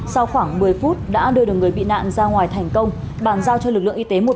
sau khoảng một mươi phút đã đưa được người bị nạn ra ngoài thành công bàn giao cho lực lượng y tế một